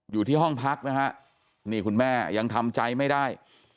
อยู่ที่ห้องพักนะฮะนี่คุณแม่ยังทำใจไม่ได้